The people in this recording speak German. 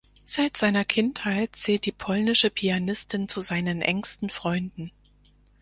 Seit seiner Kindheit zählt die polnische Pianistin zu seinen engsten Freunden.